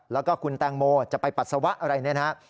แล้วก็คุณแตงโมจะไปปรัสระนะครับ